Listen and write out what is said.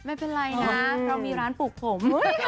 ไม่เป็นไรนะเรามีร้านปลูกผม